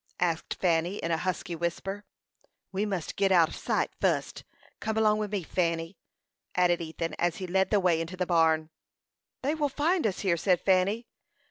asked Fanny, in a husky whisper. "We must git out of sight fust. Come along with me, Fanny," added Ethan, as he led the way into the barn. "They will find us here," said Fanny.